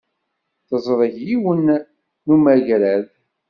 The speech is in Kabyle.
Teẓreg yiwen n umagrad.